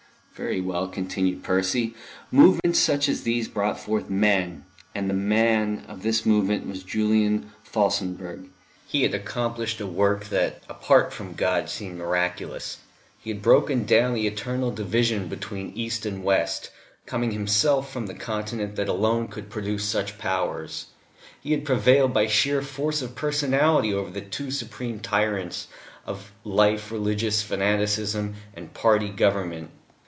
Very well, continued Percy, movements such as these brought forth men, and the Man of this movement was Julian Felsenburgh. He had accomplished a work that apart from God seemed miraculous. He had broken down the eternal division between East and West, coming himself from the continent that alone could produce such powers; he had prevailed by sheer force of personality over the two supreme tyrants of life religious fanaticism and party government.